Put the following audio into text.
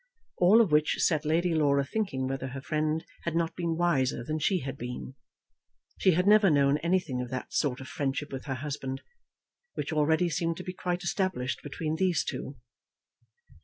All of which set Lady Laura thinking whether her friend had not been wiser than she had been. She had never known anything of that sort of friendship with her husband which already seemed to be quite established between these two.